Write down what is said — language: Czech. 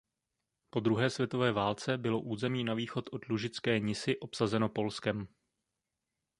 Po druhé světové válce bylo území na východ od Lužické Nisy obsazeno Polskem.